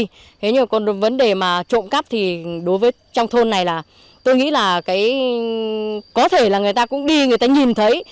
thế nhưng mà còn vấn đề mà trộm cắp thì đối với trong thôn này là tôi nghĩ là cái có thể là người ta cũng đi người ta nhìn thấy